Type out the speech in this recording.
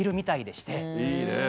いいね。